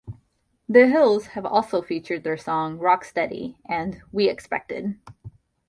"The Hills" have also featured their song "Rocksteady" and "We Expected".